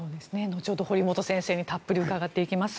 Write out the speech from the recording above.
後ほど堀本先生にたっぷり伺っていきます。